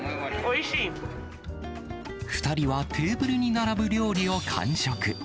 ２人はテーブルに並ぶ料理を完食。